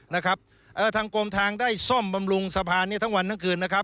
นะครับเอ่อทางกรมทางได้ซ่อมบำรุงสะพานเนี่ยทั้งวันทั้งคืนนะครับ